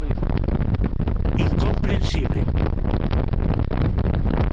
¡Incomprensible!